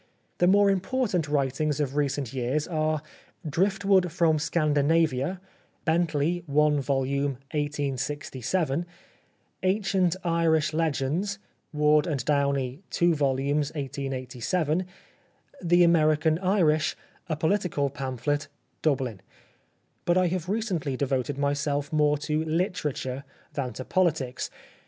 The more important writings of recent years are :—' Driftwood from Scandinavia ' (Bentley, i vol. 1867) ;' Ancient Irish Legends * (Ward and Downey, 2 vols. 1887) ; The American Irish, a political pamphlet, Dublin. " But I have recently devoted myself more to literature than to politics.